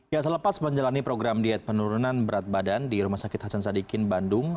ya selepas menjalani program diet penurunan berat badan di rumah sakit hasan sadikin bandung